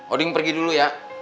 odin pergi dulu ya